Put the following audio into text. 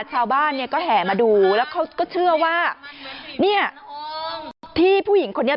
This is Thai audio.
ชาวบ้านเนี่ยก็แห่มาดูแล้วเขาก็เชื่อว่าเนี่ยที่ผู้หญิงคนนี้